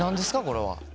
これは。